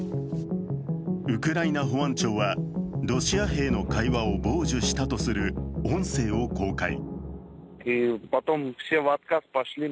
ウクライナ保安庁はロシア兵の会話を傍受したとする音声を公開。